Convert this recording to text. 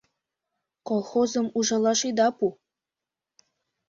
Колхозым ужалаш ида пу.